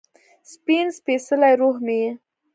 سپین سپيڅلې روح مې یې